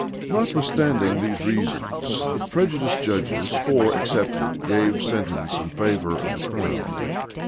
Notwithstanding these reasons, the prejudiced judges, four[*] excepted, gave sentence in favor of the crown.